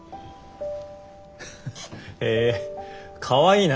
へえかわいいな。